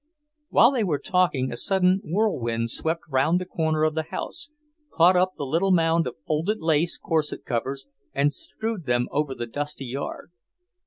While they were talking a sudden whirlwind swept round the corner of the house, caught up the little mound of folded lace corset covers and strewed them over the dusty yard.